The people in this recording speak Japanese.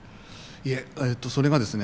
いえそれがですね